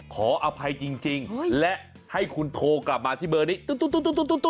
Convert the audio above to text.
ขออภัยจริงและให้คุณโทรกลับมาที่เบอร์นี้